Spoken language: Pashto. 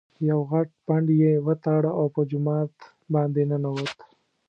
یو غټ پنډ یې وتاړه او په جومات باندې ننوت.